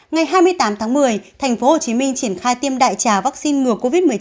ngày hai mươi tám tháng một mươi tp hcm triển khai tiêm đại trà vaccine ngừa covid một mươi chín